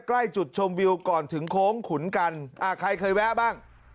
ใกล้จุดชมวิวก่อนถึงโค้งขุนกันอ่าใครเคยแวะบ้าง